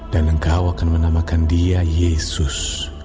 dan engkau akan menamakan dia yesus